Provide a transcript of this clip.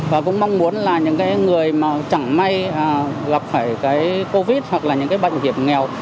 và cũng mong muốn là những người chẳng may gặp phải covid hoặc là những bệnh nghiệp nghèo